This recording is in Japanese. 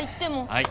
はい。